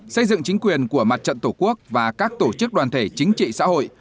xây dựng chính quyền của mặt trận tổ quốc và các tổ chức đoàn thể chính trị xã hội